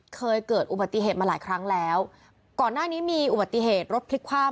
เคยเกิดอุบัติเหตุมาหลายครั้งแล้วก่อนหน้านี้มีอุบัติเหตุรถพลิกคว่ำ